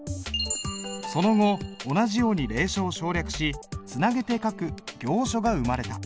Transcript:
その後同じように隷書を省略しつなげて書く行書が生まれた。